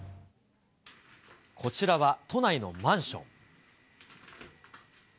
こちらは、都内のマンション。